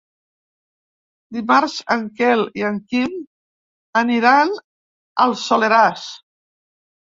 Dimarts en Quel i en Guim aniran al Soleràs.